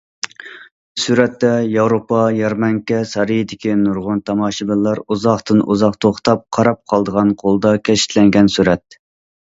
سۈرەتتە: ياۋروپا يەرمەنكە سارىيىدىكى نۇرغۇن تاماشىبىنلار ئۇزاقتىن ئۇزاق توختاپ قاراپ قالىدىغان قولدا كەشتىلەنگەن سۈرەت.